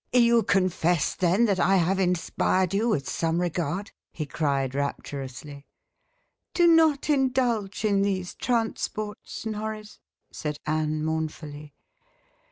"You confess, then, that I have inspired you with some regard?" he cried rapturously. "Do not indulge in these transports, Norris," said Anne mournfully.